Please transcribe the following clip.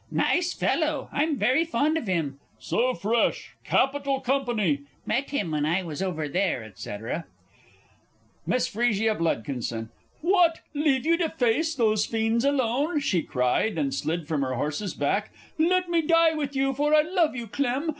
Nice fellow I'm very fond of him so fresh capital company met him when I was over there, &c. MISS F. B. "What! leave you to face those fiends alone!" she cried, and slid from her horse's back; "Let me die with you for I love you, Clem!"